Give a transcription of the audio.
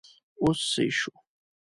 اوس سيي شو!